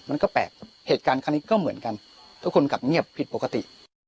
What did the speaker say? มันก็แปลกครับเหตุการณ์ครั้งนี้ก็เหมือนกันทุกคนกลับเงียบผิดปกติ